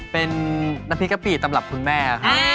เป็นน้ำพริกกะปรีตำแหลบคุณแม่